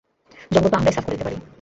জঙ্গল তো আমরাই সাফ করে দিতে পারি।